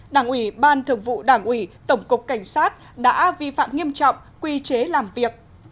đảng ủy ban thường vụ đảng ủy tổng cục cảnh sát đã vi phạm nghiêm trọng quy chế làm việc